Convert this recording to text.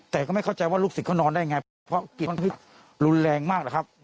แต่ก็ไม่เข้าใจว่าลูกศิษย์เขานอนได้ไงเพราะกลิ่นมันรุนแรงมากแล้วครับ